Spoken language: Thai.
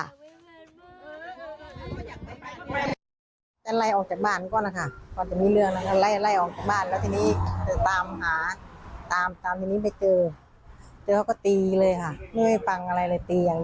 คำนิจข่าขนแผนอันนี้ก็เหมือนเหมือนกันหน้าโอ๊กนี่ก็เป็นแบบเจ็บเพราะเราก็เหยียบ